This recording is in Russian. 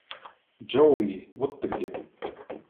Джоуи, вот ты где.